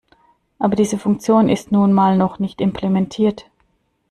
Aber diese Funktion ist nun mal noch nicht implementiert.